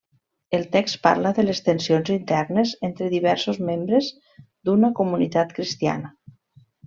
El text parla de les tensions internes entre diversos membres d'una comunitat cristiana.